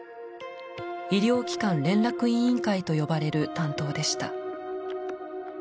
医療機関連絡委員会と呼ばれる担当でした。